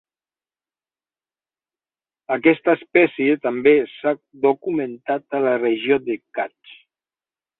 Aquesta espècie també s'ha documentat a la regió de Kutch.